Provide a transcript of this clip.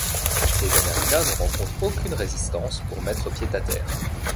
Les Américains ne rencontrent aucune résistance pour mettre pied à terre.